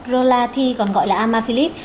rolati còn gọi là ama philip